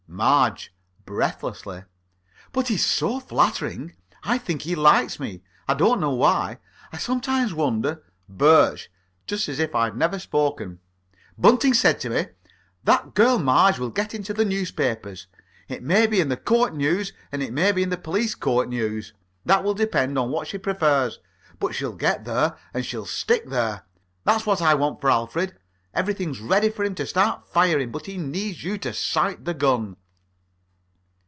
MARGE (breathlessly): But he's so flattering. I think he likes me I don't know why. I sometimes wonder BIRSCH (just as if I'd never spoken): Bunting said to me: "That girl, Marge, will get into the newspapers. It may be in the Court News, and it may be in the Police court News. That will depend on which she prefers. But she'll get there, and she'll stick there!" That's what I want for Alfred. Everything's ready for him to start firing, but he needs you to sight the gun.